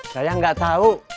saya gak tau